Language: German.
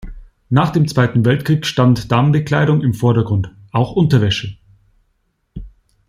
Nach dem Zweiten Weltkrieg stand Damenbekleidung im Vordergrund, auch Unterwäsche.